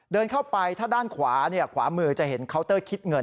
เดินเข้าไปถ้าด้านขวาขวามือจะเห็นเคาน์เตอร์คิดเงิน